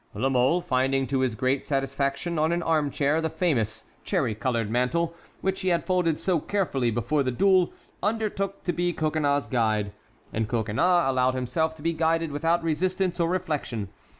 La Mole, finding to his great satisfaction, on an armchair, the famous cherry colored mantle which he had folded so carefully before the duel, undertook to be Coconnas's guide, and Coconnas allowed himself to be guided without resistance or reflection.